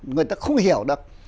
người ta không hiểu được